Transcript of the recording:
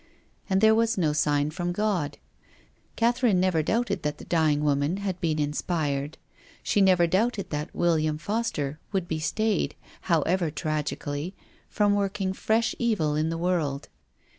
And there was no sign from God. Catherine never doubted that the dying woman had been inspired. She never doubted that " Will iam Foster" would be stayed, however tragically, from working fresh evil in the world.